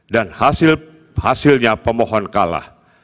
dan hasilnya pemohon kalah